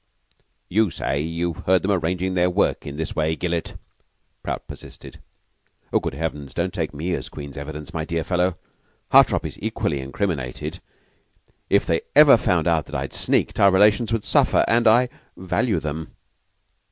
"You say you've heard them arranging their work in this way, Gillett," Prout persisted. "Good Heavens! Don't make me Queen's evidence, my dear fellow. Hartopp is equally incriminated. If they ever found out that I had sneaked, our relations would suffer and I value them."